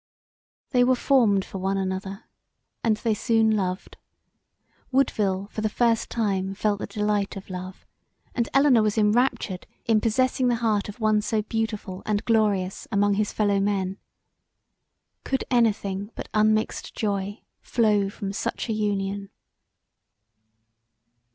They were formed for one another and they soon loved. Woodville for the first time felt the delight of love; and Elinor was enraptured in possessing the heart of one so beautiful and glorious among his fellow men. Could any thing but unmixed joy flow from such a union?